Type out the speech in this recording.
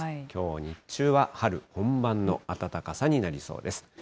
きょう日中は、春本番の暖かさになりそうです。